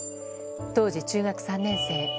当時、中学３年生。